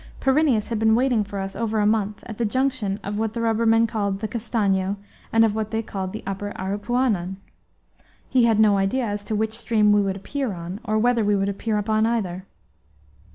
Pyrineus had been waiting for us over a month, at the junction of what the rubbermen called the Castanho and of what they called the upper Aripuanan. (He had no idea as to which stream we would appear upon, or whether we would appear upon either.)